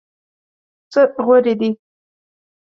څه غورې دي.